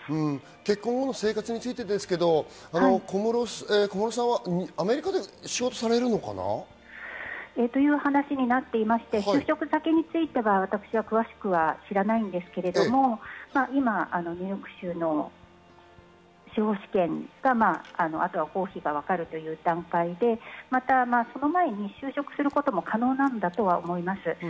結婚後の生活についてですけど、小室さんはアメリカで仕事されるのかな？という話になっていまして、就職先については私は詳しくは知らないんですけれど今、ニューヨーク州の司法試験、あとは合否がわかる段階で、その前に就職することも可能なんだとは思います。